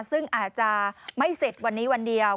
ซึ่งอาจจะไม่เสร็จวันนี้วันเดียว